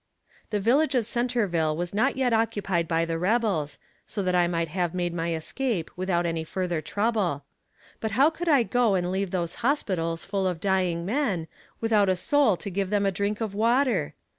The village of Centerville was not yet occupied by the rebels, so that I might have made my escape without any further trouble; but how could I go and leave those hospitals full of dying men, without a soul to give them a drink of water?